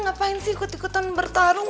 ngapain sih ikut ikutan bertarung